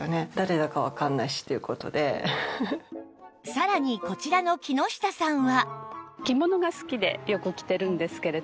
さらにこちらの木下さんは